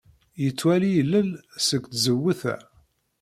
Yettwali ilel seg tzewwut-a.